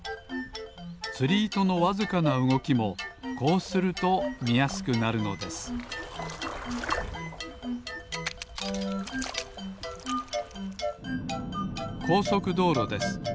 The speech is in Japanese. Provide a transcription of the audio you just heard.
つりいとのわずかなうごきもこうするとみやすくなるのですこうそくどうろです。